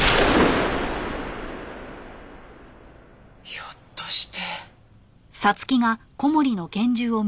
ひょっとして。